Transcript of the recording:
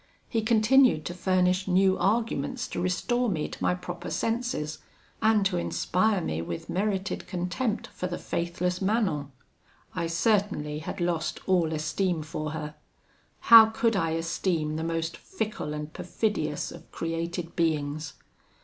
He continued to furnish new arguments to restore me to my proper senses, and to inspire me with merited contempt for the faithless Manon. I certainly had lost all esteem for her: how could I esteem the most fickle and perfidious of created beings!